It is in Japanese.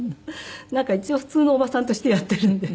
一応普通のおばさんとしてやっているんで。